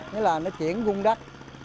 nghĩa là nó chuyển vung đắt